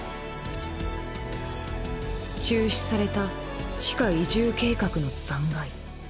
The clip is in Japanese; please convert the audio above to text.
中止された地下移住計画の残骸。